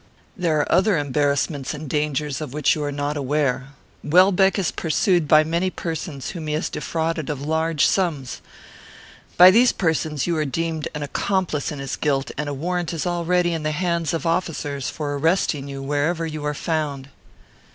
"There are other embarrassments and dangers of which you are not aware. Welbeck is pursued by many persons whom he has defrauded of large sums. By these persons you are deemed an accomplice in his guilt, and a warrant is already in the hands of officers for arresting you wherever you are found."